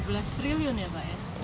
rp tujuh belas triliun ya pak ya